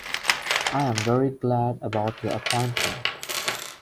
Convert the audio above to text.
I'm very glad about your appointment.